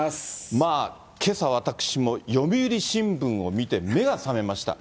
まあ、けさ、私も読売新聞を見て、目が覚めました。